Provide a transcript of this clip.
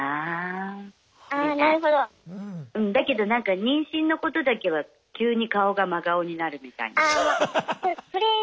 だけどなんか妊娠のことだけは急に顔が真顔になるみたいな。